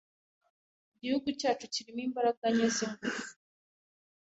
Igihugu cyacu kirimo imbaraga nke zingufu.